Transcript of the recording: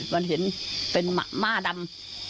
มันเห็นเป็นม่าดำ